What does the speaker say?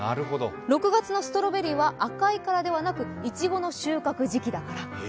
６月のストロベリーは赤いからではなくいちごの収穫時期だから。